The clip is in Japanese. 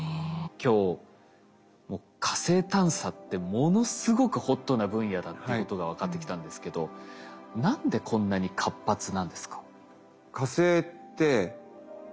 今日火星探査ってものすごくホットな分野だっていうことが分かってきたんですけど何でこんなに活発なんですか？